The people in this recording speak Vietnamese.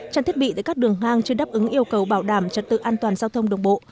trang thiết bị tại các đường hang chưa đáp ứng yêu cầu bảo đảm trật tự an toàn giao thông đường bộ